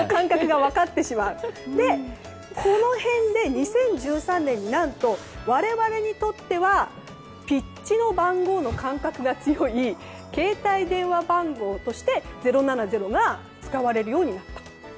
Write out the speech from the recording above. ２０１３年になると我々にとってはピッチの番号の感覚が強い携帯電話番号として０７０が使われるようになったと。